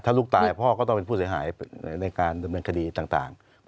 ถ้าลูกตายพ่อก็ต้องเป็นผู้เสียหายในการดำเนินคดีต่าง